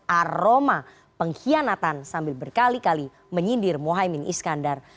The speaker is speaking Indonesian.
aroma pengkhianatan sambil berkali kali menyindir mohaimin iskandar